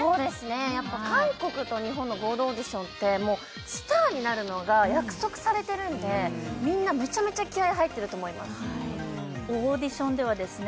やっぱ韓国と日本の合同オーディションってもうスターになるのが約束されてるんでみんなメチャメチャ気合い入ってると思いますオーディションではですね